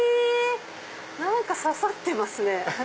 何か刺さってますね！